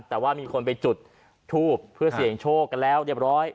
แต่ว่ามีคนไปจุดทูบเพื่อเสี่ยงโชคกันแล้วเรียบร้อย